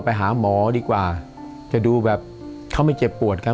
ผมอยากจะหารถสันเร็งสักครั้งนึงคือเอาเอาหมอนหรือที่นอนอ่ะมาลองเขาไม่เจ็บปวดครับ